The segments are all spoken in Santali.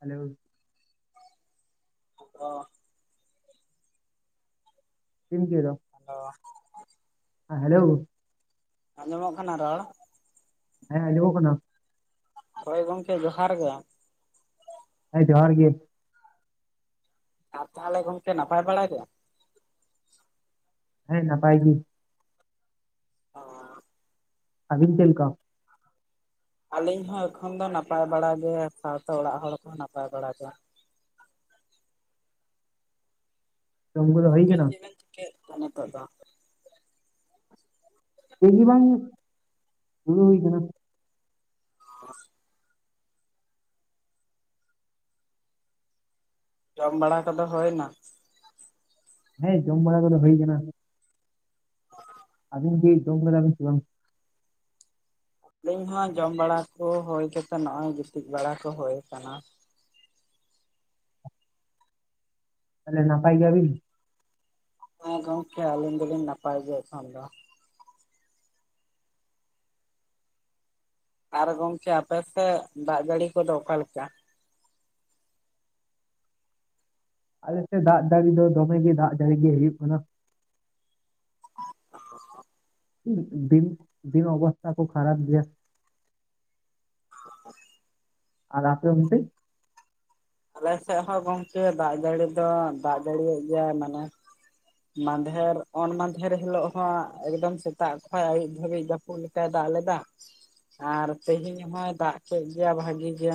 ᱦᱮᱞᱳ ᱦᱚ ᱪᱮᱢ ᱪᱤᱠᱟᱹᱭ ᱫᱟ? ᱦᱮᱞᱳ ᱦᱮᱸ ᱦᱮᱞᱳ ᱟᱸᱡᱚᱢᱚᱜ ᱠᱟᱱᱟ ᱨᱚᱲ? ᱦᱮᱸ ᱟᱸᱡᱚᱢᱚᱜ ᱠᱟᱱᱟ᱾ ᱦᱳᱭ ᱜᱚᱝᱠᱮ ᱡᱚᱦᱟᱨ ᱜᱮ᱾ ᱦᱮᱸ ᱡᱚᱦᱟᱨ ᱜᱮ᱾ ᱟᱨ ᱛᱟᱦᱚᱞᱮ ᱜᱚᱝᱠᱮ ᱱᱟᱯᱟᱭ ᱵᱟᱲᱟ ᱜᱮ? ᱦᱮᱸ ᱱᱟᱯᱟᱭ ᱜᱤ᱾ ᱚ ᱟᱹᱵᱤᱱ ᱪᱮᱫ ᱞᱮᱠᱟ ᱟᱞᱤᱧ ᱦᱚᱸ ᱮᱠᱷᱚᱱ ᱫᱚ ᱱᱟᱯᱟᱭ ᱵᱟᱲᱟ ᱜᱮ ᱥᱟᱶᱛᱮ ᱚᱲᱟᱜ ᱦᱚᱲ ᱠᱚᱦᱚᱸ ᱱᱟᱯᱟᱭ ᱵᱟᱲᱟ ᱜᱮ ᱡᱚᱢ ᱠᱚᱫᱚ ᱦᱩᱭ ᱜᱟᱝᱠᱮ ᱠᱟᱱᱟ ᱪᱮᱫ ᱵᱮᱱ ᱪᱤᱠᱟᱭ ᱫᱟ ᱱᱤᱛᱚᱜ ᱫᱚ? ᱪᱮᱫ ᱜᱤ ᱵᱟᱝ ᱫᱩᱲᱩᱵ ᱦᱩᱭ ᱠᱟᱱᱟ [unintelligible] ᱟᱨ [unintelligible] ᱡᱚᱢ ᱵᱟᱲᱟ ᱠᱚᱫᱚ ᱦᱳᱭᱱᱟ? ᱦᱮᱸ ᱡᱚᱢ ᱵᱟᱲᱟ ᱠᱚᱫᱚ ᱦᱩᱭ ᱠᱟᱱᱟ᱾ ᱚ [inaudible] ᱟᱵᱤᱱ ᱜᱮ ᱡᱚᱢ ᱟᱠᱟᱫᱟ ᱵᱤᱱ ᱥᱮ ᱵᱟᱝ? ᱟᱹᱞᱤᱧ ᱦᱚᱸ ᱡᱚᱢ ᱵᱟᱲᱟ ᱠᱚ ᱦᱩᱭ ᱠᱟᱛᱮᱜ ᱱᱚᱜ-ᱚᱭ ᱜᱤᱛᱤᱡ ᱵᱟᱲᱟ ᱠᱚ ᱦᱩᱭ ᱟᱠᱟᱱᱟ᱾ ᱛᱟᱦᱚᱞᱮ ᱱᱟᱯᱟᱭ ᱜᱮᱭᱟ ᱵᱤᱱ? ᱦᱮᱸ ᱜᱚᱝᱠᱮ ᱟᱹᱞᱤᱧ ᱫᱚᱞᱤᱧ ᱱᱟᱯᱟᱭ ᱜᱮᱭᱟ ᱮᱠᱷᱚᱱ ᱫᱚ᱾ ᱟᱨ ᱜᱚᱝᱠᱮ ᱟᱯᱮᱥᱮᱫ ᱫᱟᱜ ᱡᱟᱹᱲᱤ ᱠᱚᱫᱚ ᱚᱠᱟᱞᱮᱠᱟ? ᱟᱞᱮᱥᱨᱫ ᱫᱟᱜ ᱡᱟᱹᱲᱤ ᱫᱚ ᱫᱚᱢᱮ ᱜᱮ ᱫᱟᱜ ᱡᱟᱹᱲᱤ ᱜᱮ ᱦᱩᱭᱩᱜ ᱠᱟᱱᱟ᱾ [inaudible] ᱫᱤᱱ ᱫᱤᱱ ᱚᱵᱚᱥᱛᱷᱟ ᱠᱚ ᱠᱷᱟᱨᱟᱯ ᱜᱮᱭᱟ᱾ ᱚ [inaudible] ᱟᱨ ᱟᱯᱮ ᱚᱱᱛᱮ? ᱟᱞᱮ ᱥᱮᱫ ᱦᱚᱸ ᱜᱚᱝᱠᱮ ᱫᱟᱜ ᱡᱟᱹᱲᱤ ᱫᱚ ᱫᱟᱜ ᱡᱟᱹᱲᱤᱭᱮᱜ ᱜᱮᱭᱟᱭ ᱢᱟᱱᱮ ᱢᱟᱫᱮᱨ ᱚᱱ ᱢᱟᱫᱮᱨ ᱦᱤᱞᱳᱜ ᱦᱚᱸ ᱮᱠᱫᱚᱢ ᱥᱮᱛᱟᱜ ᱠᱷᱚᱱ ᱟᱹᱭᱩᱵ ᱫᱷᱟᱹᱵᱤᱡ ᱯᱩᱫ ᱞᱮᱠᱟᱭ ᱫᱟᱜ ᱞᱮᱫᱟᱭ ᱟᱨ ᱛᱮᱦᱮᱧ ᱦᱚᱭ ᱫᱟᱜ ᱠᱮᱫ ᱜᱮᱭᱟ ᱵᱷᱟᱜᱤ ᱜᱮ᱾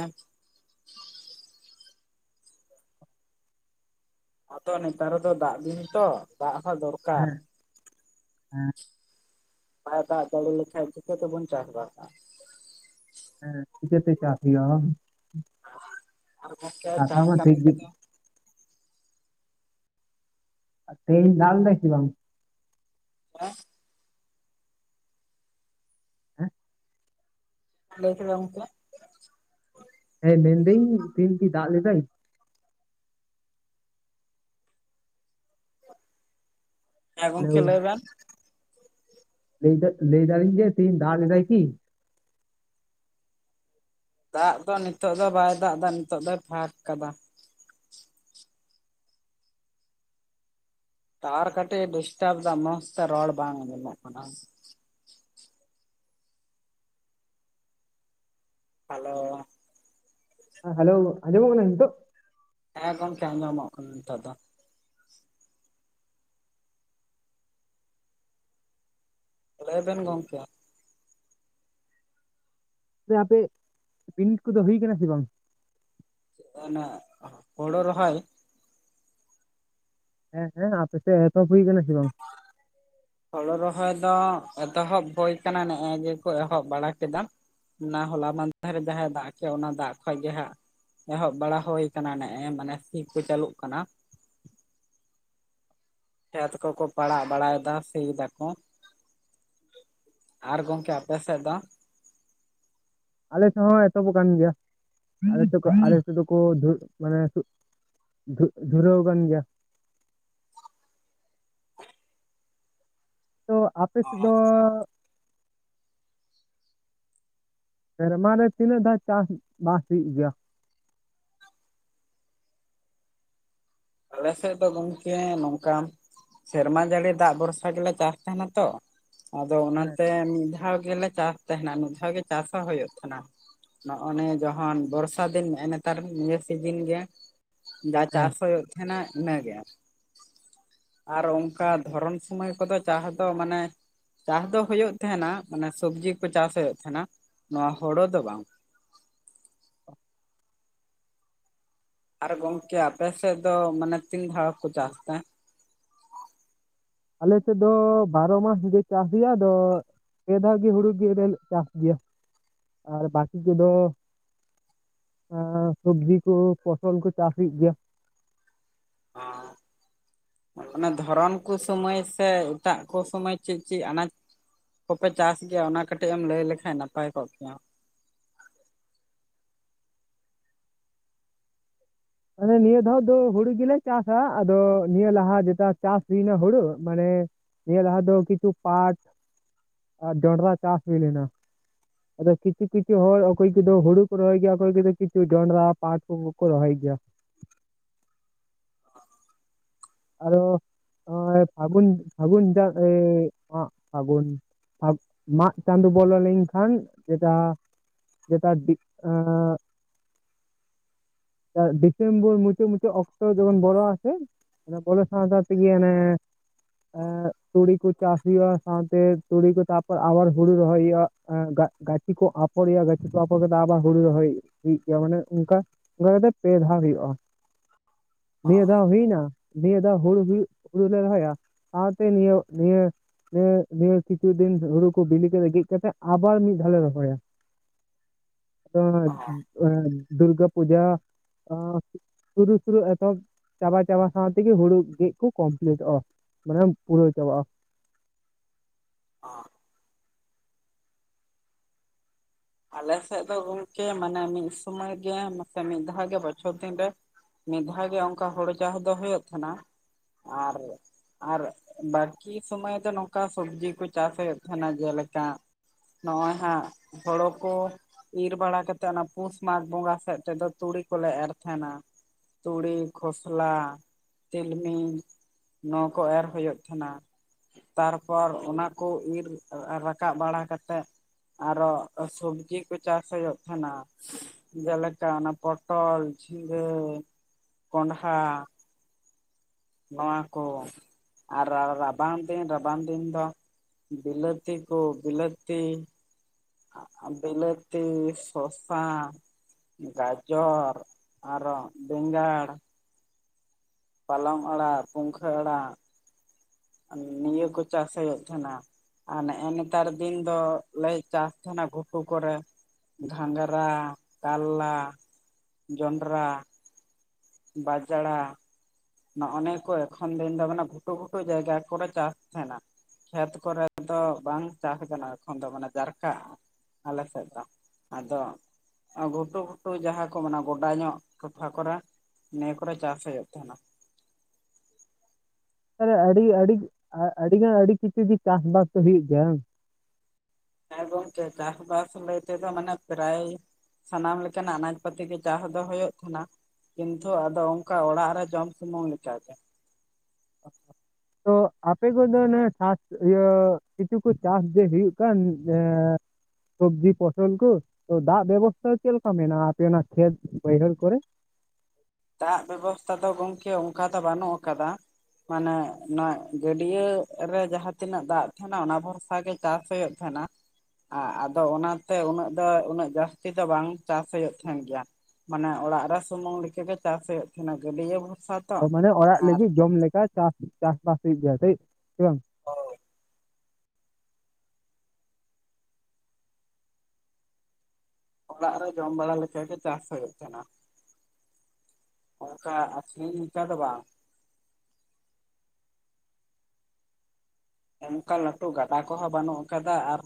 ᱟᱫᱚ ᱱᱮᱛᱟᱨ ᱫᱟᱜ ᱫᱚ ᱫᱟᱜ ᱫᱤᱱ ᱛᱚ ᱫᱟᱜ ᱦᱚᱸ ᱫᱚᱨᱠᱟᱨ᱾ ᱦᱮᱸ ᱦᱮᱸ ᱵᱟᱭ ᱫᱟᱜ ᱡᱟᱲᱤ ᱞᱮᱠᱷᱟᱱ ᱪᱤᱠᱟᱹ ᱛᱮᱵᱚᱱ ᱪᱟᱥᱵᱟᱥᱟ᱾ ᱦᱮᱸ ᱪᱤᱠᱟᱹᱛᱮ ᱪᱟᱥ ᱦᱩᱭᱩᱜ-ᱟ ᱵᱟᱝ? ᱟᱨ ᱜᱚᱝᱠᱮ ᱠᱟᱛᱷᱟ ᱪᱟᱥ ᱢᱟ ᱠᱟᱹᱢᱤ ᱴᱷᱤᱠ ᱜᱮ ᱠᱚᱫᱚ ᱛᱮᱦᱮᱱ ᱫᱟᱜ ᱞᱮᱫᱟᱭ ᱥᱮ ᱵᱟᱝ ᱚᱱᱛᱮ? ᱦᱮᱸ ᱦᱮᱸ ᱞᱟᱹᱭ ᱠᱮᱫᱟ ᱜᱚᱝᱠᱮ? ᱦᱮᱸ ᱢᱮᱱᱫᱟᱹᱧ ᱛᱮᱦᱮᱱ ᱠᱤ ᱫᱟᱜ ᱞᱮᱫᱟᱭ? ᱦᱮᱸ ᱜᱚᱝᱠᱮ ᱦᱮᱞᱳ ᱞᱟᱹᱭ ᱵᱮᱱ᱾ ᱞᱟᱹᱭ ᱞᱟᱹᱭ ᱫᱟᱞᱤᱧ ᱡᱮ ᱛᱮᱦᱤᱧ ᱫᱟᱜ ᱞᱮᱫᱟᱭ ᱠᱤ? ᱫᱟᱜ ᱫᱚ ᱱᱤᱛᱚᱜ ᱫᱚ ᱵᱟᱭ ᱫᱟᱜ ᱮᱫᱟ ᱱᱤᱛᱚᱜ ᱫᱚᱭ ᱯᱷᱟᱠ ᱟᱠᱟᱫᱟ᱾ ᱴᱟᱣᱟᱨ ᱠᱟᱹᱴᱤᱡᱮ ᱰᱤᱥᱴᱟᱯ ᱫᱚ ᱢᱚᱡᱽ ᱛᱮ ᱨᱚᱲ ᱠᱟᱱᱟ ᱟᱡᱚᱢᱚᱜ ᱠᱟᱱᱟ ᱾ ᱦᱮᱞᱳ ᱦᱮ ᱸᱦᱮᱞᱳ ᱟᱡᱚᱢᱚᱜ ᱠᱟᱱᱟ ᱱᱤᱛᱳᱜ? ᱦᱮᱸ ᱜᱚᱝᱠᱮ ᱟᱡᱚᱢᱚᱜ ᱠᱟᱱᱟ ᱱᱤᱛᱳᱜ ᱫᱚ᱾ ᱞᱟᱹᱭ ᱵᱮᱱ ᱜᱚᱝᱠᱮ? ᱟᱯᱮ ᱯᱤᱱᱤᱰ ᱠᱚᱫᱚ ᱦᱩᱭ ᱟᱠᱟᱱᱟ ᱥᱮ ᱵᱟᱝ? ᱚᱱᱮ ᱦᱳᱲᱳ ᱨᱚᱦᱳᱭ? ᱦᱮᱸ ᱦᱮᱸ ᱟᱯᱮ ᱥᱮᱫ ᱮᱛᱚᱦᱚᱵ ᱦᱩᱭ ᱟᱠᱟᱱᱟ ᱥᱮ ᱵᱟᱝ? ᱵᱟᱝ [unintelligible] ᱦᱩᱲᱩ ᱨᱚᱦᱚᱭ ᱫᱚ ᱮᱛᱚᱦᱚᱵ ᱦᱩᱭᱳ ᱟᱠᱟᱱᱟ ᱱᱮᱜ-ᱮ ᱜᱮ ᱠᱚ ᱮᱦᱚᱵ ᱵᱟᱲᱟ ᱠᱮᱫᱟ ᱾ ᱚᱱᱟ ᱦᱚᱞᱟ ᱢᱟᱫᱷᱮ ᱡᱟᱦᱟᱸᱭ ᱫᱟᱜ ᱠᱮᱫ ᱚᱱᱟ ᱫᱟᱜ ᱠᱷᱚᱡ ᱜᱮ ᱦᱟᱸᱜ ᱮᱦᱚᱵ ᱵᱟᱲᱟ ᱦᱩ ᱟᱠᱟᱱᱟ ᱱᱮᱜ-ᱮ ᱢᱟᱱᱮ ᱥᱤ ᱠᱚ ᱪᱟᱹᱞᱩᱜ ᱠᱟᱱᱟ᱾ ᱠᱷᱮᱛ ᱠᱚᱠᱚ ᱯᱟᱲᱟᱜ ᱵᱟᱲᱟᱭ ᱮᱫᱟ ᱥᱤ ᱫᱟᱜ ᱠᱚ ᱾ ᱟᱨ ᱜᱚᱝᱠᱮ ᱟᱯᱮ ᱥᱮᱫ ᱫᱚ? ᱟᱞᱮ ᱥᱮᱫ ᱦᱚᱸ ᱮᱛᱚᱦᱚᱵ ᱟᱠᱟᱱ ᱜᱮᱭᱟ ᱟᱞᱮᱫ ᱥᱮᱫ ᱠᱷᱚᱡ ᱟᱞᱮ ᱥᱮᱫ ᱫᱚᱠᱚ ᱫᱩ ᱢᱟᱱᱮ ᱫᱷᱩ ᱫᱷᱩᱨᱟᱣ ᱟᱠᱟᱱ ᱜᱮᱭᱟ ᱾ ᱛᱚ ᱟᱯᱮ ᱥᱮᱫ ᱫᱚ ᱥᱮᱨᱢᱟ ᱨᱮ ᱛᱤᱱᱟᱹᱜ ᱫᱷᱟᱣ ᱪᱟᱥ ᱵᱟᱥ ᱦᱩᱭᱩᱜ ᱜᱮᱭᱟ? ᱟᱞᱮ ᱥᱮᱫ ᱫᱚ ᱜᱚᱝᱠᱮ ᱱᱚᱝᱠᱟ ᱥᱮᱨᱢᱟ ᱡᱟᱹᱲᱤ ᱫᱟᱜ ᱵᱷᱚᱨᱥᱟ ᱜᱮᱞᱮ ᱪᱟᱥ ᱛᱟᱦᱮᱱᱟ ᱛᱚ ᱟᱫᱚ ᱦᱮᱸ ᱚᱱᱟᱛᱮ ᱢᱤᱫ ᱫᱷᱟᱣ ᱜᱮᱞᱮ ᱪᱟᱥ ᱛᱟᱦᱮᱱᱟ ᱢᱤᱫ ᱜᱮ ᱪᱟᱥ ᱦᱚᱸ ᱦᱩᱭᱩᱜ ᱛᱟᱦᱮᱱᱟ᱾ ᱱᱚᱜ-ᱚᱱᱮ ᱡᱚᱠᱷᱚᱱ ᱵᱚᱨᱥᱟ ᱫᱤᱱ ᱱᱮᱜ ᱱᱮᱛᱟᱨ ᱱᱤᱭᱟ ᱥᱤᱡᱤᱱ ᱜᱮ ᱡᱟ ᱦᱮᱸ ᱪᱟᱥ ᱦᱩᱭᱩᱜ ᱛᱟᱦᱮᱱᱟ ᱤᱱᱟᱹᱜᱮ ᱾ ᱟᱨ ᱚᱱᱠᱟ ᱫᱷᱚᱨᱚᱱ ᱥᱚᱢᱚᱭ ᱠᱚᱫᱚ ᱪᱟᱥ ᱫᱚ ᱢᱟᱱᱮ ᱪᱟᱥ ᱫᱚ ᱦᱳᱭᱚᱜ ᱛᱟᱦᱮᱸᱱᱟ ᱢᱟᱱᱮ ᱥᱚᱵᱡᱤ ᱠᱚ ᱪᱟᱥ ᱦᱩᱭᱩᱜ ᱛᱟᱦᱮᱸᱱᱟ ᱱᱚᱣᱟ ᱦᱳᱲᱳ ᱫᱚ ᱵᱟᱝ ᱾ ᱟᱨ ᱜᱚᱝᱠᱮ ᱟᱯᱮᱥᱮᱫ ᱫᱚ ᱢᱟᱱᱮ ᱛᱤᱱ ᱫᱷᱟᱣ ᱠᱚ ᱪᱟᱥ ᱛᱮ? ᱟᱞ ᱥᱮᱫ ᱫᱚ ᱵᱟᱨᱚ ᱢᱟᱥ ᱪᱟᱥ ᱜᱮᱭᱟ ᱟᱫᱚ ᱯᱮ ᱫᱷᱟᱣ ᱜᱮ ᱦᱩᱲᱩ ᱜᱮᱞᱮ ᱪᱟᱥ ᱜᱮᱭᱟ ᱟᱨ ᱵᱟᱹᱠᱤ ᱠᱚᱫᱚ ᱮᱸ ᱥᱚᱵᱡᱤ ᱠᱚ ᱯᱷᱚᱥᱚᱞᱠᱩ ᱪᱟᱥ ᱦᱩᱭᱩᱜ ᱜᱮᱭᱟ ᱾ ᱚ ᱾ ᱚᱱᱟ ᱫᱷᱚᱨᱚᱱ ᱠᱚ ᱥᱚᱢᱚᱭ ᱥᱮ ᱮᱴᱟᱜ ᱠᱚ ᱥᱚᱢᱚᱭ ᱪᱮᱫ ᱪᱮᱫ ᱟᱱᱟᱡ ᱠᱚᱯᱮ ᱪᱟᱥ ᱜᱮᱭᱟ ᱚᱱᱟ ᱠᱟᱹᱴᱤᱡ ᱮᱢ ᱞᱟᱹᱭ ᱞᱮᱠᱷᱟᱱ ᱱᱟᱯᱟᱭ ᱠᱚᱜ ᱠᱮᱭᱟ? ᱢᱟᱱᱮ ᱱᱤᱭᱟᱹ ᱫᱷᱟᱣ ᱫᱚ ᱦᱩᱲᱩ ᱜᱮᱞᱮ ᱪᱟᱥᱟ ᱟᱫᱚ ᱱᱤᱭᱟᱹ ᱞᱟᱦᱟ ᱡᱮᱴᱟ ᱪᱟᱥ ᱦᱩᱭᱱᱟ ᱦᱩᱲᱩ ᱢᱟᱱᱮ ᱾ ᱱᱤᱭᱟᱹ ᱞᱟᱦᱟ ᱫᱚ ᱠᱤᱪᱷᱩ ᱯᱟᱴ ᱟᱨ ᱡᱚᱱᱰᱨᱟ ᱪᱟᱥ ᱦᱩᱭ ᱞᱮᱱᱟ ᱾ ᱟᱫᱚ ᱠᱤᱪᱷᱩ ᱠᱤᱪᱷᱩ ᱦᱚᱲ ᱚᱠᱚᱭ ᱠᱚᱫᱚ ᱦᱩᱲᱩ ᱠᱚ ᱨᱚᱦᱚᱭ ᱜᱮᱭᱟ ᱚᱠᱚᱭ ᱠᱚ ᱠᱤᱪᱷᱩ ᱡᱚᱱᱰᱨᱟ ᱯᱟᱴ ᱠᱚᱠᱚ ᱨᱚᱦᱚᱭ ᱜᱮᱭᱟ ᱾ ᱚ ᱾ ᱟᱨᱚ ᱱᱚᱜᱚᱭ ᱯᱷᱟᱹᱜᱩᱱ ᱯᱷᱟᱹᱜᱩᱱ ᱯᱷᱟᱹᱜᱩᱱ ᱯᱷᱟᱜ ᱢᱟᱜ ᱪᱟᱸᱫ ᱵᱚᱞᱚ ᱞᱮᱱᱠᱷᱟᱱ ᱡᱮᱴᱟ ᱾ ᱡᱮᱴᱟ ᱰᱤ ᱟᱸᱻ ᱟᱨ ᱰᱤᱥᱮᱢᱵᱚᱨ ᱢᱩᱪᱟᱹᱜ ᱢᱩᱪᱟᱹᱜ ᱚᱠᱛᱚ ᱡᱚᱚᱱ ᱵᱚᱲᱚ ᱟᱥᱮ ᱾ ᱚᱱᱟ ᱵᱚᱞ ᱥᱟᱶ ᱥᱟᱶᱛᱮᱜᱮ ᱚᱱᱮ ᱮ ᱛᱩᱲᱤ ᱠᱚ ᱪᱟᱥ ᱦᱩᱭᱩᱜᱼᱟ ᱥᱟᱶᱛᱮ ᱛᱩᱲᱤ ᱠᱚ ᱛᱟᱯᱚᱨ ᱟᱵᱟᱨ ᱦᱩᱲᱩ ᱨᱚᱦᱚᱭ ᱦᱩᱭᱩᱜᱼᱟ ᱾ ᱜᱟᱪᱷᱤ ᱠᱚ ᱟᱯᱷᱚᱨ ᱦᱩᱭᱩᱜ-ᱟ ᱜᱟᱪᱷᱤ ᱠᱚ ᱟᱯᱷᱚᱨ ᱠᱟᱛᱮ ᱟᱵᱟᱨ ᱦᱩᱲᱩ ᱨᱚᱦᱚᱭ ᱦᱩᱭᱩᱜ ᱜᱮᱭᱟ ᱢᱟᱱᱮ ᱚᱱᱠᱟ ᱚᱱᱟ ᱫᱚ ᱯᱮ ᱫᱷᱟᱣ ᱦᱩᱭᱩᱜᱼᱟ ᱱᱤᱭᱟᱹ ᱫᱷᱟᱣ ᱦᱩᱭ ᱮᱱᱟ ᱾ ᱱᱤᱭᱟᱹ ᱫᱷᱟᱶ ᱦᱩᱲᱩ ᱦᱩᱭᱩᱜ ᱦᱩᱲᱩ ᱞᱮ ᱨᱚᱦᱚᱭᱟ ᱥᱟᱶᱛᱮ ᱱᱤᱭᱟᱹ ᱱᱤᱭᱟᱹ ᱱᱚᱭᱟ ᱱᱤᱭᱟᱹ ᱠᱤᱪᱷᱩ ᱫᱤᱱ ᱦᱩᱲᱩ ᱠᱚ ᱵᱤᱞᱤ ᱠᱟᱛᱮᱜ ᱜᱮᱫ ᱠᱟᱛᱮᱜ ᱟᱵᱟᱨ ᱢᱤᱫ ᱫᱷᱟᱣ ᱞᱮ ᱨᱚᱦᱚᱭᱟ ᱾ [inaudible] ᱫᱩᱨᱜᱟ ᱯᱩᱡᱟ ᱟ ᱥᱩᱨ ᱥᱩᱨᱩ ᱮᱛᱚᱦᱚᱵ ᱪᱟᱵᱟ ᱪᱟᱵᱟ ᱥᱟᱶ ᱛᱮᱜᱮ ᱦᱩᱲᱩ ᱜᱮᱫ ᱠᱚ ᱠᱚᱢᱯᱞᱤᱴᱚᱜᱼᱟ ᱾ ᱢᱟᱱᱮ ᱯᱩᱨᱟ ᱪᱟᱵᱟᱜᱼᱟ ᱾ ᱚ ᱾ ᱟᱞᱮ ᱥᱮᱫ ᱫᱚ ᱜᱚᱢᱠᱮ ᱢᱟᱱᱮ ᱢᱤᱫ ᱥᱚᱢᱚᱭ ᱜᱮ ᱢᱟᱥᱮ ᱢᱤᱫ ᱫᱷᱟᱣ ᱜᱮ ᱵᱚᱪᱷᱚᱨ ᱫᱤᱱ ᱨᱮ ᱢᱤᱫ ᱫᱷᱟᱣ ᱜᱮ ᱚᱱᱠᱟ ᱦᱩᱲᱩ ᱪᱟᱥ ᱫᱚ ᱦᱳᱭᱚᱜ ᱛᱟᱦᱮᱱᱟ ᱟᱨ ᱟᱨ ᱵᱟᱠᱤ ᱥᱚᱢᱚᱭ ᱫᱚ ᱱᱚᱝᱠᱟ ᱥᱚᱵᱡᱤ ᱠᱚ ᱪᱟᱥ ᱦᱩᱭᱩᱜ ᱛᱟᱦᱮᱸᱱᱟ ᱡᱮᱞᱮᱠᱟ ᱱᱚᱜᱼᱚᱭ ᱦᱟᱸᱜ ᱦᱳᱲᱳ ᱠᱚ ᱤᱨ ᱵᱟᱲᱟᱛᱮᱫ ᱚᱱᱟ ᱯᱩᱥ ᱢᱟᱜᱽ ᱵᱚᱸᱜᱟ ᱥᱮᱫ ᱛᱮᱫᱚ ᱛᱩᱲᱤ ᱠᱚᱞᱮ ᱮᱨ ᱛᱟᱦᱮᱸᱱᱟ ᱾ ᱛᱩᱲᱤ, ᱠᱷᱚᱥᱞᱟ, ᱛᱤᱞᱢᱤᱧ ᱾ ᱱᱚᱭᱟ ᱠᱚ ᱮᱨ ᱦᱩᱭᱩᱜ ᱛᱟᱦᱮᱱᱟ ᱾ ᱛᱟᱨᱯᱚᱨ ᱚᱱᱟ ᱠᱚ ᱤᱨ ᱨᱟᱠᱟᱵ ᱵᱟᱲᱟ ᱠᱟᱛᱮᱫ ᱟᱨᱚ, ᱥᱚᱵᱽᱡᱤ ᱠᱚ ᱪᱟᱥ ᱦᱳᱭᱳᱜ ᱛᱟᱦᱮᱱᱟ᱾ ᱡᱮᱞᱮᱠᱟ ᱚᱱᱟ ᱯᱚᱴᱚᱞ, ᱡᱷᱤᱸᱜᱟᱹ, ᱠᱚᱸᱰᱦᱟ, ᱱᱚᱣᱟ ᱠᱚ ᱟᱨ ᱟᱨ ᱨᱟᱵᱟᱝ ᱫᱤᱱ ᱨᱟᱵᱟᱝ ᱫᱤᱱ ᱫᱚ ᱵᱤᱞᱟᱹᱛᱤ ᱠᱚ ᱵᱤᱞᱟᱹᱛᱤ ᱟᱜ ᱵᱤᱞᱟᱹᱛᱤ, ᱥᱳᱥᱟ ᱜᱟᱡᱚᱨ ᱟᱨᱚ ᱵᱮᱸᱜᱟᱲ, ᱯᱟᱞᱚᱝ ᱟᱲᱟᱜ, ᱯᱩᱝᱠᱷᱟᱹ ᱟᱲᱟᱜ, ᱱᱤᱭᱟᱹ ᱠᱚ ᱪᱟᱥ ᱦᱳᱭᱩᱜ ᱛᱟᱦᱮᱱᱟ᱾ ᱟᱨ ᱱᱮᱜ ᱮ ᱱᱮᱛᱟᱨ ᱫᱤᱱ ᱫᱚ ᱞᱮ ᱪᱟᱥ ᱛᱟᱦᱮᱱᱟ ᱜᱷᱩᱴᱩ ᱠᱚᱨᱮ᱾ ᱜᱷᱟᱸᱜᱨᱟ, ᱠᱟᱞᱞᱟ, ᱡᱚᱱᱰᱨᱟ, ᱵᱟᱡᱽᱲᱟ ᱱᱚᱜ ᱮ ᱱᱤᱭᱟᱹ ᱠᱚ ᱮᱠᱷᱚᱱ ᱫᱤᱱ ᱫᱚ ᱢᱟᱱᱮ ᱜᱷᱩᱴᱩ ᱜᱷᱩᱴᱩ ᱡᱟᱭᱜᱟ ᱠᱚᱨᱮ ᱪᱟᱥ ᱛᱟᱦᱮᱱᱟ᱾ ᱠᱷᱮᱛ ᱠᱚᱨᱮᱫ ᱫᱚ ᱵᱟᱝ ᱪᱟᱥ ᱟᱠᱟᱱᱟ ᱮᱠᱷᱚᱱ ᱫᱚ ᱢᱟᱱᱮ ᱡᱟᱨᱠᱟᱜ-ᱟ᱾ ᱟᱞᱮ ᱥᱮᱫ ᱫᱚ ᱟᱫᱚ ᱜᱷᱩᱴᱩ ᱜᱷᱩᱴᱩ ᱡᱟᱦᱟᱸ ᱠᱚ ᱢᱮᱱᱟ ᱜᱚᱰᱟ ᱧᱚᱜ ᱛᱷᱚᱯᱷᱟ ᱠᱚᱨᱮ ᱱᱮᱭᱟᱹ ᱠᱚᱨᱮ ᱪᱟᱥ ᱦᱳᱭᱳᱜ ᱛᱟᱦᱮᱱᱟ᱾ ᱛᱟᱦᱚᱞᱮ ᱟᱹᱰᱤ-ᱟᱹᱰᱤ ᱟᱹᱰᱤ-ᱟᱹᱰᱤ ᱜᱟ ᱟᱹᱰᱤ ᱠᱤᱪᱷᱩ ᱜᱤ ᱪᱟᱥ ᱵᱟᱥ ᱫᱚ ᱦᱩᱭᱩᱜ ᱜᱮᱭᱟ᱾ ᱦᱮᱸ ᱜᱚᱝᱠᱮ ᱪᱟᱥ ᱵᱟᱥ ᱞᱟᱹᱭ ᱛᱮᱫᱚ ᱢᱟᱱᱮ ᱯᱨᱮᱭ ᱥᱟᱱᱟᱢ ᱞᱮᱠᱟᱱᱟᱜ ᱟᱱᱟᱡᱽ ᱯᱟᱹᱛᱤ ᱜᱮ ᱪᱟᱥ ᱫᱚ ᱦᱳᱭᱳᱜ ᱛᱟᱦᱮᱱᱟ᱾ ᱠᱤᱱᱛᱷᱩ ᱟᱫᱚ ᱚᱝᱠᱟ ᱚᱲᱟᱜ ᱨᱮ ᱡᱚᱢ ᱥᱩᱢᱩᱝ ᱞᱮᱠᱟ ᱜᱮ᱾ ᱛᱚ ᱟᱯᱮ ᱠᱚᱫᱚ ᱱᱮ ᱪᱟᱥ ᱤᱭᱟᱹ ᱠᱤᱪᱷᱩ ᱠᱚ ᱪᱟᱥ ᱡᱮ ᱦᱩᱭᱩᱜ ᱠᱟᱱ ᱮᱸ ᱥᱚᱵᱽᱡᱤ ᱯᱷᱚᱥᱚᱞ ᱠᱚ, ᱛᱚ ᱫᱟᱜ ᱵᱮᱵᱚᱥᱛᱷᱟ ᱪᱮᱫ ᱞᱮᱠᱟ ᱢᱮᱱᱟᱜ-ᱟ, ᱟᱯᱮ ᱚᱱᱟ ᱠᱷᱮᱛ ᱵᱟᱹᱭᱦᱟᱹᱲ ᱠᱚᱨᱮ? ᱫᱟᱜ ᱵᱮᱵᱚᱥᱛᱟ ᱫᱚ ᱜᱚᱝᱠᱮ ᱚᱝᱠᱟ ᱫᱚ ᱵᱟᱹᱱᱩᱜ ᱟᱠᱟᱫᱟ᱾ ᱢᱟᱱᱮ ᱱᱚᱣᱟ ᱜᱟᱹᱰᱭᱟᱹ ᱨᱮ ᱡᱟᱦᱟᱸ ᱛᱤᱱᱟᱹᱜ ᱫᱟᱜ ᱛᱟᱦᱮᱱᱟ ᱚᱱᱟ ᱵᱷᱚᱨᱥᱟ ᱜᱮ, ᱛᱟᱥ ᱦᱳᱭᱳᱜ ᱛᱟᱦᱮᱱᱟ᱾ ᱟ ᱟᱫᱚ ᱚᱱᱟᱛᱮ ᱩᱱᱟᱹᱜ ᱫᱚ ᱩᱱᱟᱹᱜ ᱡᱟᱹᱥᱛᱤ ᱫᱚ ᱵᱟᱝ ᱪᱟᱥ ᱦᱳᱭᱳᱜ ᱛᱟᱦᱮᱱ ᱜᱮᱭᱟ᱾ ᱢᱟᱱᱮ ᱚᱲᱟᱜ ᱨᱮ ᱥᱩᱢᱩᱝ ᱞᱮᱠᱟ ᱜᱮ ᱪᱟᱥ ᱦᱳᱭᱳᱜ ᱛᱟᱦᱮᱱᱟ ᱜᱟᱹᱰᱭᱟᱹ ᱵᱷᱚᱨᱥᱟ ᱛᱚ ᱚ ᱢᱟᱱᱮ ᱚᱲᱟᱜ ᱟᱨ ᱞᱟᱹᱜᱤᱫ ᱡᱚᱢ ᱞᱮᱠᱟ ᱪᱟᱥ ᱪᱟᱥ ᱵᱟᱥ ᱦᱩᱭᱩᱜ ᱜᱮᱭᱟ ᱛᱟᱹᱭ ᱥᱮ ᱵᱟᱝ ᱦᱳᱭ ᱚᱲᱟᱜ ᱨᱮ ᱡᱚᱢ ᱵᱟᱲᱟ ᱞᱮᱠᱟ ᱜᱮ ᱪᱟᱥ ᱦᱳᱭᱳᱜ ᱛᱟᱦᱮᱱᱟ᱾ ᱚᱝᱠᱟ ᱟᱹᱠᱷᱨᱤᱧ ᱞᱮᱠᱟ ᱫᱚ ᱵᱟᱝ, ᱚᱝᱠᱟ ᱞᱟᱹᱴᱩ ᱜᱟᱰᱟ ᱠᱚᱦᱚᱸ ᱵᱟᱹᱱᱩᱜ ᱟᱠᱟᱫᱟ ᱟᱨ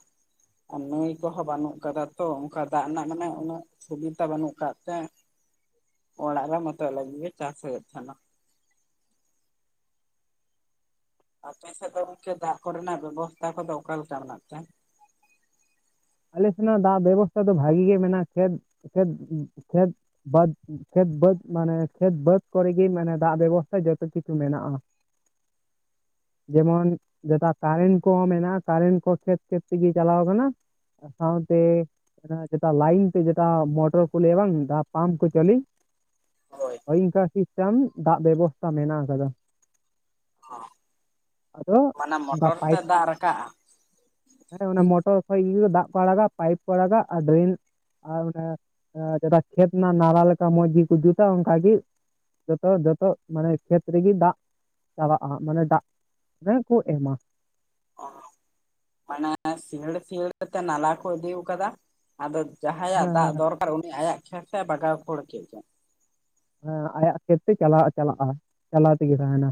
ᱟᱨ ᱱᱟᱹᱭ ᱠᱚᱦᱚᱸ ᱵᱟᱹᱱᱩᱜ ᱟᱠᱟᱫᱟ ᱛᱚ ᱚᱝᱠᱟ ᱫᱟᱜ ᱨᱮᱱᱟᱜ ᱢᱟᱱᱮ ᱩᱱᱟᱹᱜ ᱥᱩᱵᱤᱛᱟ ᱵᱟᱹᱱᱩᱜ ᱟᱠᱟᱛ ᱛᱮ ᱚᱲᱟᱜ ᱨᱮ ᱢᱚᱛᱚ ᱞᱟᱹᱜᱤᱫ ᱜᱮ ᱪᱟᱥ ᱦᱳᱭᱳᱜ ᱛᱟᱦᱮᱱᱟ᱾ ᱟᱯᱮ ᱥᱮᱫ ᱫᱚ ᱜᱚᱝᱠᱮ ᱫᱟᱜ ᱠᱚᱨᱮᱱᱟᱜ ᱵᱮᱵᱚᱥᱛᱷᱟ ᱠᱚᱫᱚ ᱚᱠᱟ ᱞᱮᱠᱟ ᱢᱮᱱᱟᱜ ᱛᱮ? ᱟᱞᱮ ᱥᱮᱱᱟᱜ ᱫᱟᱜ ᱵᱮᱵᱚᱥᱛᱷᱟ ᱫᱚ ᱵᱷᱟᱹᱜᱤ ᱜᱮ ᱢᱮᱱᱟᱜ-ᱟ ᱠᱷᱮᱛ-ᱠᱷᱮᱛ- ᱠᱷᱮᱛ ᱵᱟᱹᱫᱽ ᱠᱷᱮᱛ ᱵᱟᱹᱫᱽ ᱢᱟᱱᱮ ᱠᱷᱮᱛ ᱵᱟᱹᱫᱽ ᱠᱚᱨᱮ ᱜᱮ ᱢᱟᱱᱮ ᱫᱟᱜ ᱵᱮᱵᱚᱥᱛᱷᱟ ᱡᱚᱛᱚ ᱠᱤᱪᱷᱩ ᱢᱮᱱᱟᱜ-ᱟ᱾ [inaudible] ᱡᱮᱢᱚᱱ ᱡᱮᱛᱟ ᱠᱟᱨᱮᱱ ᱠᱚᱦᱚᱸ ᱢᱮᱱᱟᱜ-ᱟ, ᱠᱟᱨᱮᱱ ᱠᱚ ᱠᱷᱮᱛ-ᱠᱷᱮᱛ ᱛᱮᱜᱮ ᱪᱟᱞᱟᱣ ᱟᱠᱟᱱᱟ᱾ ᱥᱟᱶᱛᱮ ᱡᱮᱛᱟ ᱞᱟᱭᱤᱱ ᱛᱮ ᱡᱮᱛᱟ ᱢᱚᱴᱚᱨ ᱠᱚ ᱞᱟᱹᱭᱟ ᱵᱟᱝ ᱫᱟ ᱯᱟᱢᱯ ᱠᱚ ᱪᱟᱹᱞᱩᱭ ᱦᱳᱭ ᱤᱝᱠᱟ ᱥᱤᱥᱴᱟᱢ ᱫᱟᱜ ᱵᱮᱵᱚᱥᱛᱷᱟ ᱢᱮᱱᱟᱜ ᱟᱠᱟᱫᱟ᱾ ᱚᱦ ᱟᱫᱚ ᱢᱟᱱᱮ ᱚᱱᱠᱟ ᱢᱚᱴᱚᱨ ᱛᱮ ᱯᱟᱭᱤᱯ ᱫᱟᱜ ᱨᱟᱠᱟᱜ-ᱟ? ᱦᱮᱸ ᱚᱱᱟ ᱢᱚᱴᱚᱨ ᱠᱷᱚᱡ ᱤᱭᱟᱹ ᱫᱟᱜ ᱠᱚ ᱟᱲᱟᱜᱟ, ᱯᱟᱭᱤᱯ ᱠᱚ ᱟᱲᱟᱜᱟ ᱟᱨ ᱰᱨᱤᱞ ᱟᱨ ᱚᱱᱮ ᱡᱮᱛᱟ ᱠᱷᱮᱛ ᱨᱮᱱᱟᱜ ᱱᱟᱞᱟ ᱞᱮᱠᱟ ᱢᱚᱸᱡᱽ ᱜᱮᱠᱚ ᱡᱩᱛᱟ ᱚᱝᱠᱟ ᱜᱮ ᱡᱚᱛᱚ ᱡᱚᱛᱚ ᱢᱟᱱᱮ ᱠᱷᱮᱛ ᱨᱮᱜᱮ ᱫᱟᱜ ᱪᱟᱵᱟᱜ-ᱟ ᱦᱟᱸᱜ ᱢᱟᱱᱮ ᱫᱟᱜ ᱨᱮ ᱠᱚ ᱮᱢᱟ᱾ ᱚ ᱢᱟᱱᱮ ᱥᱤᱭᱟᱹᱲ ᱥᱤᱭᱟᱹᱲ ᱛᱮ ᱱᱟᱞᱟ ᱠᱚ ᱤᱫᱤᱣ ᱟᱠᱟᱣᱫᱟ᱾ ᱟᱫᱚ ᱡᱟᱦᱟᱭᱟᱜ ᱦᱮᱸ ᱫᱟᱜ ᱦᱮᱸ ᱫᱚᱨᱠᱟᱨ ᱩᱱᱤ ᱟᱭᱟᱜ ᱠᱷᱮᱛ ᱛᱮ ᱵᱟᱜᱟᱣ ᱠᱷᱟᱹᱲ ᱠᱮᱜ ᱜᱮ᱾ ᱦᱮᱸ ᱟᱭᱟᱜ ᱠᱷᱮᱛ ᱛᱮ ᱪᱟᱞᱟᱜ, ᱪᱟᱞᱟᱜ-ᱟ ᱪᱟᱞᱟᱣ ᱛᱮᱜᱮ ᱛᱟᱦᱮᱱᱟ᱾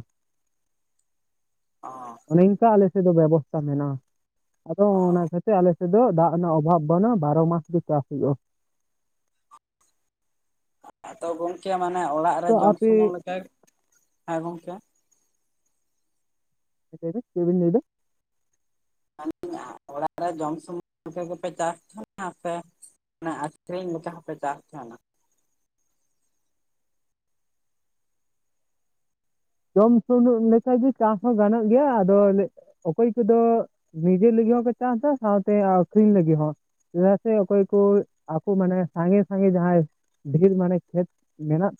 ᱚ ᱱᱤᱝᱠᱟ ᱟᱞᱮ ᱥᱮᱫ ᱫᱚ ᱵᱮᱵᱚᱥᱛᱷᱟ ᱢᱮᱱᱟᱜ-ᱟ ᱟᱫᱚ, ᱚᱱᱟ ᱠᱷᱟᱹ ᱥᱮ ᱟᱞᱮ ᱥᱮᱜ ᱫᱚ ᱫᱟᱜ ᱨᱮᱱᱟᱜ ᱚᱵᱷᱟᱵᱽ ᱵᱟᱹᱱᱩᱜ-ᱟ ᱵᱟᱨᱚ ᱢᱟᱥ ᱜᱮ ᱪᱟᱥ ᱦᱩᱭᱩᱜ-ᱟ᱾ ᱛᱚ ᱜᱚᱝᱠᱮ ᱢᱟᱱᱮ ᱚᱲᱟᱜ ᱨᱮ ᱛᱚ ᱡᱚᱢ ᱟᱯᱮ ᱥᱩᱢᱩᱝ ᱞᱮᱠᱟ ᱦᱮᱸ ᱜᱚᱝᱠᱮ᱾ ᱞᱟᱹᱭ ᱵᱤᱱ ᱪᱮᱫ ᱵᱤᱱ ᱞᱟᱹᱭ ᱫᱟ? [unintelligible] ᱚᱲᱟᱜ ᱨᱮ ᱡᱚᱢ ᱥᱩᱢᱩᱝ ᱞᱮᱠᱟ ᱜᱮᱯᱮ ᱪᱟᱥ-ᱟ ᱥᱮ ᱚᱱᱟ ᱟᱹᱠᱷᱨᱤᱧ ᱞᱮᱠᱟ ᱦᱚᱸ ᱯᱮ ᱪᱟᱥ ᱛᱟᱦᱮᱱᱟ᱾ ᱡᱚᱢ ᱥᱩᱱᱩᱜ ᱞᱮᱠᱟ ᱜᱮ ᱪᱟᱥ ᱦᱚᱸ ᱜᱟᱱᱚᱜ ᱜᱮᱭᱟ ᱟᱫᱚ ᱞᱟᱹ ᱚᱠᱚᱭ ᱠᱚᱫᱚ ᱱᱤᱡᱮ ᱞᱟᱹᱜᱤᱜ ᱦᱚᱸᱠᱚ ᱪᱟᱥ-ᱟ, ᱥᱟᱣ ᱛᱮ ᱟᱹᱠᱷᱨᱤᱧ ᱞᱟᱹᱜᱤ ᱦᱚᱸ᱾ ᱪᱮᱫᱟᱜ ᱥᱮ ᱚᱠᱚᱭ ᱠᱚ ᱟᱠᱚ ᱢᱟᱱᱮ ᱥᱟᱸᱜᱮ, ᱥᱟᱸᱜᱮ ᱡᱟᱦᱟᱭ ᱰᱷᱮᱨ ᱢᱟᱱᱮ ᱠᱷᱮᱛ ᱢᱮᱱᱟᱜ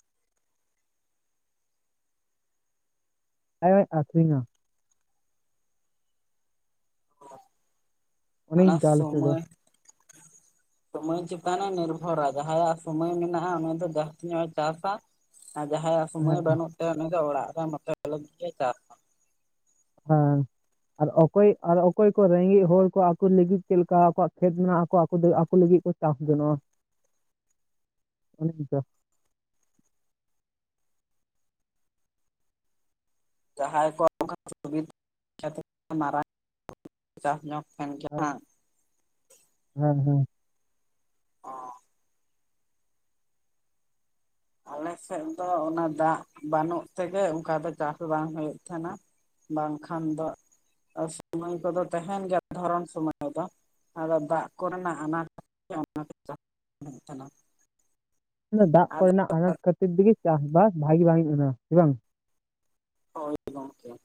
ᱮᱸᱻ ᱟᱹᱠᱷᱨᱤᱧᱟ᱾ ᱚ ᱚᱱᱮ ᱚᱱᱟ ᱤᱱᱠᱟ ᱟᱞᱮ ᱥᱮᱫ ᱫᱚ ᱥᱚᱢᱚᱭ ᱥᱚᱢᱚᱭ ᱪᱮᱛᱟᱱ ᱮ ᱱᱤᱨᱵᱷᱚᱨᱟ ᱡᱟᱦᱟᱭᱟᱜ ᱥᱚᱢᱚᱭ ᱢᱮᱱᱟᱜ-ᱟ ᱩᱱᱤ ᱫᱚ ᱡᱟᱹᱥᱛᱤ ᱧᱚᱜ ᱮ ᱪᱟᱥ-ᱟ᱾ ᱟᱨ ᱡᱟᱦᱟᱭᱟᱜ ᱥᱚᱢᱚᱭ ᱦᱮᱸ ᱵᱟᱹᱱᱩᱜ ᱛᱟᱭᱟ ᱩᱱᱤ ᱫᱚ ᱚᱲᱟᱜ ᱨᱮ ᱢᱚᱛᱚᱡ ᱞᱟᱜᱤᱫ ᱮ ᱪᱟᱥ-ᱟ᱾ ᱦᱚᱸ᱾ ᱟᱨ ᱚᱠᱚᱭ ᱟᱨ ᱚᱠᱚᱭ ᱠᱚ ᱨᱮᱸᱜᱮᱡᱽ ᱦᱚᱲ ᱠᱚ ᱟᱠᱚ ᱞᱟᱹᱜᱤᱫ ᱪᱮᱫ ᱞᱮᱠᱟ ᱟᱠᱚᱣᱟᱜ ᱠᱷᱮᱛ ᱢᱮᱱᱟᱜ᱾ ᱟᱠᱚ, ᱟᱠᱚ ᱞᱟᱹᱜᱤᱫ ᱠᱚ ᱪᱟᱥ ᱡᱚᱱᱚᱜ-ᱟ᱾ [inaudible] ᱚᱱᱮ ᱚᱱᱠᱟ᱾ ᱡᱟᱦᱟᱭ ᱠᱚ [unintelligible] ᱠᱟᱛᱮᱫ ᱢᱟᱨᱟᱝ ᱪᱟᱥ ᱧᱚᱜ ᱠᱷᱟᱱ ᱡᱟᱦᱟ ᱦᱮᱸ ᱦᱮᱸ, ᱦᱮᱸ᱾ ᱚ ᱟᱞᱮ ᱥᱮᱫ ᱫᱚ ᱚᱱᱟ ᱫᱟᱜ ᱵᱟᱹᱱᱩᱜ ᱛᱮᱜᱮ ᱚᱱᱠᱟ ᱫᱚ ᱪᱟᱥ ᱵᱟᱝ ᱦᱳᱭᱳᱜ ᱛᱮᱦᱮᱱᱟ᱾ ᱵᱟᱝ ᱠᱷᱟᱱ ᱫᱚ ᱥᱚᱢᱚᱭ ᱠᱚᱫᱚ ᱛᱟᱦᱮᱱ ᱜᱮᱭᱟ ᱫᱷᱚᱨᱚᱱ ᱥᱚᱢᱚᱭ ᱫᱚ᱾ ᱟᱫᱚ ᱫᱟᱜ ᱠᱚ ᱨᱮᱱᱟᱜ ᱟᱱᱟᱴ ᱠᱷᱟᱹᱛᱤᱨ ᱛᱮ ᱚᱱᱟ ᱠᱚ ᱪᱟᱥ ᱵᱟᱝ ᱦᱳᱭᱳᱜ ᱛᱟᱦᱮᱱᱟ᱾ ᱫᱟᱜ ᱠᱚ ᱟᱫᱚ ᱨᱮᱱᱟᱜ ᱟᱱᱟᱴ ᱠᱷᱟᱹᱛᱤᱨ ᱛᱮᱜᱮ ᱪᱟᱥ ᱵᱟᱥ ᱵᱷᱟᱹᱜᱤ ᱵᱟᱝ ᱦᱳᱭᱳᱜ ᱛᱟᱦᱮᱱᱟ ᱦᱮ ᱵᱟᱝ? ᱦᱳᱭ ᱜᱚᱝᱠᱮ ᱾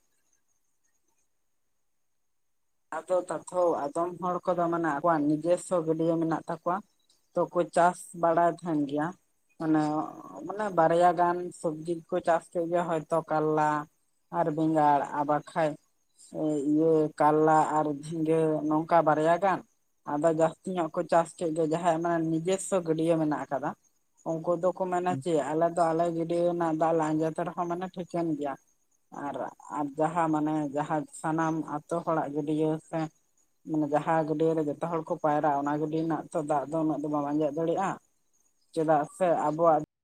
ᱟᱫᱚ ᱛᱟᱛᱷᱚ ᱟᱫᱚᱢ ᱦᱚᱲ ᱠᱚᱫᱚ ᱢᱟᱱᱮ ᱟᱠᱚᱣᱟᱜ ᱱᱤᱡᱮᱥᱚ ᱜᱟᱹᱰᱭᱟᱹ ᱢᱮᱱᱟᱜ ᱛᱟᱠᱚᱣᱟ ᱾ ᱛᱚ ᱠᱚ ᱪᱟᱥ ᱵᱟᱲᱟᱭ ᱛᱟᱦᱮᱱ ᱜᱮᱭᱟ ᱾ ᱢᱟᱱᱮ ᱢᱟᱱᱮ ᱵᱟᱨᱭᱟ ᱜᱟᱱ ᱥᱚᱵᱽᱡᱤ ᱠᱚ ᱪᱟᱥ ᱠᱮᱜ ᱜᱮ ᱦᱚᱭ ᱛᱚ ᱠᱟᱞᱞᱟ᱾ ᱟᱨ ᱵᱮᱸᱜᱟᱲ ᱟᱸᱻ ᱵᱟᱠᱷᱟᱡ ᱤᱭᱟᱹ ᱠᱟᱞᱞᱟ ᱟᱨ ᱡᱷᱤᱸᱜᱟᱹ ᱱᱚᱝᱠᱟ ᱵᱟᱨᱭᱟ ᱜᱟᱱ᱾ ᱟᱫᱚ ᱡᱟᱹᱥᱛᱤ ᱧᱚᱜ ᱠᱚ ᱪᱟᱥ ᱠᱮᱫ ᱜᱮ ᱡᱟᱦᱟᱭᱟᱜ ᱚᱱᱟ ᱱᱤᱡᱮᱥᱚ ᱜᱟᱹᱰᱭᱟᱹ ᱢᱮᱱᱟᱜ ᱟᱠᱟᱫᱟ᱾ ᱩᱱᱠᱩ ᱫᱚᱠᱚ ᱢᱮᱱᱟ ᱪᱮᱫ ᱟᱞᱮ ᱫᱚ ᱟᱞᱮ ᱜᱟᱹᱰᱭᱟ ᱨᱮᱱᱟᱜ ᱫᱟᱜ ᱞᱮ ᱟᱡᱮᱫ ᱨᱮᱦᱚᱸ ᱢᱟᱱᱮ ᱴᱷᱤᱠᱟᱹᱱ ᱜᱮᱭᱟ᱾ ᱟᱨ ᱡᱟᱦᱟ ᱢᱟᱱᱮ ᱡᱟᱦᱟ ᱥᱟᱱᱟᱢ ᱟᱛᱳ ᱦᱚᱲᱟᱜ ᱜᱟᱹᱰᱭᱟᱹ ᱥᱮ ᱢᱟᱱᱮ ᱡᱟᱦᱟ ᱜᱟᱹᱰᱭᱟᱹ ᱨᱮ ᱡᱷᱚᱛᱚ ᱦᱚᱲ ᱠᱚ ᱯᱟᱭᱨᱟᱜ-ᱟ᱾ ᱚᱱᱟ ᱜᱟᱹᱰᱭᱟᱹ ᱨᱮᱱᱟᱜ ᱛᱚ ᱫᱟᱜ ᱫᱚ ᱩᱱᱟᱹᱜ ᱫᱚ ᱵᱟᱢ ᱟᱸᱡᱮᱫ ᱫᱟᱲᱮᱜ-ᱟ ᱾ ᱪᱮᱫᱟᱜ ᱥᱮ ᱟᱵᱚᱣᱟᱜ